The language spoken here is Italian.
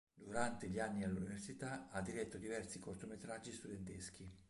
Durante gli anni all'università ha diretto diversi cortometraggi studenteschi.